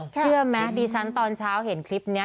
เชื่อไหมดิฉันตอนเช้าเห็นคลิปนี้